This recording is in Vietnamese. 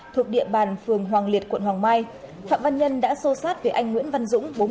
thuộc địa bàn phường hoàng liệt quận hoàng mai phạm văn nhân đã xô sát với anh nguyễn văn dũng